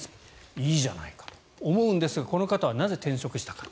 いいじゃないかと思うんですがこの方は、なぜ転職したか。